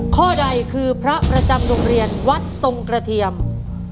ข้อใดคือพระประจำโรงเรียนวัดทรงกระเทียม